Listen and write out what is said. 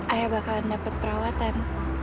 ayah bakalan dapat perawatan